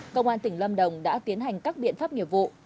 công an tỉnh lâm đồng đã tiến hành các biện pháp nghiệp vụ